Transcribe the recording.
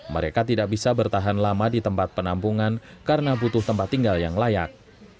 mereka tidak bisa bertahan lama di tempat penampungan karena butuh tempat tinggal yang layak